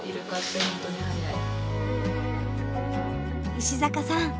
石坂さん